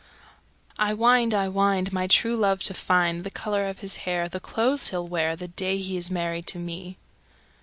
_ 307. I wind, I wind, my true love to find, The color of his hair, the clothes he'll wear, The day he is married to me.